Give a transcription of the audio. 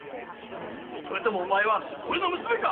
それでもお前は俺の娘か！